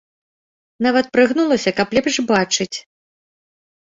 Нават прыгнулася, каб лепш бачыць.